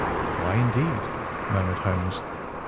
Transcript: "Why, indeed?" murmured Holmes.